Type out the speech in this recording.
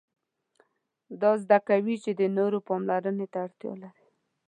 دا زده کوي چې د نورو پاملرنې ته اړتیا لري.